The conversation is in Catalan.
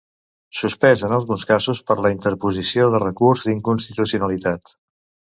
Suspès en alguns casos per la interposició de recurs d'inconstitucionalitat.